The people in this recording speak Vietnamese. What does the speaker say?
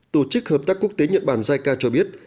tổ chức hợp tác quốc tế nhật bản jica cho biết